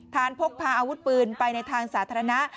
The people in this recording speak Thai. พกพาอาวุธปืนไปในทางสาธารณะ